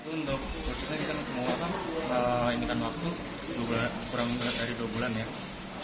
untuk prosesnya kita mau inginkan waktu kurang lebih dari dua bulan ya